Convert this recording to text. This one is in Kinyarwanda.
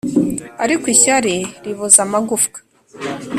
ariko ishyari riboza amagufwa